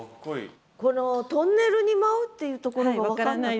この「トンネルに舞ふ」っていうところが分からなくて。